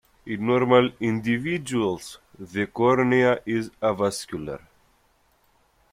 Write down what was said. In normal individuals, the cornea is avascular.